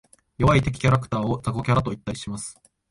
弱い敵キャラクターを雑魚キャラと言ったりします。